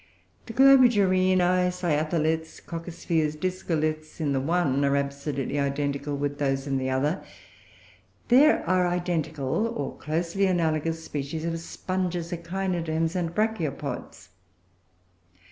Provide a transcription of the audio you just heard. The Globigerinoe, Cyatholiths, Coccospheres, Discoliths in the one are absolutely identical with those in the other; there are identical, or closely analogous, species of Sponges, Echinoderms, and Brachiopods.